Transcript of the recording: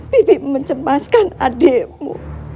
bibi mencemaskan ademmu